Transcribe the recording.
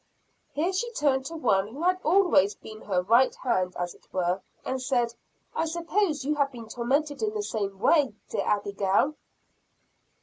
Here she turned to one who had always been her right hand as it were, and said: "I suppose you have been tormented in the same way, dear Abigail?"